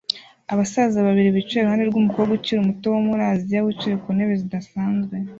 Abasaza babiri bicaye iruhande rwumukobwa ukiri muto wo muri Aziya wicaye ku ntebe zidasanzwe